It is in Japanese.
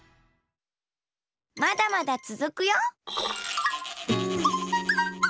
まだまだつづくよ！